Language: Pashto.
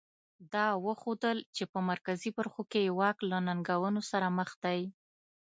دا وښودل چې په مرکزي برخو کې یې واک له ننګونو سره مخ دی.